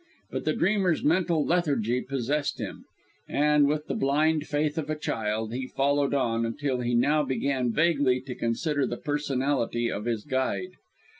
But the dreamer's mental lethargy possessed him, and, with the blind faith of a child, he followed on, until he now began vaguely to consider the personality of his guide.